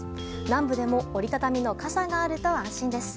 南部でも折り畳み傘があると安心です。